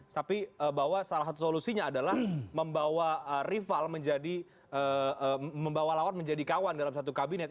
tapi bahwa salah satu solusinya adalah membawa rival menjadi membawa lawan menjadi kawan dalam satu kabinet